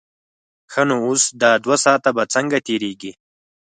ښه نو اوس دا دوه ساعته به څنګه تېرېږي.